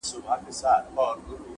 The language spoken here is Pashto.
نه له پلاره پاتېده پاچهي زوى ته؛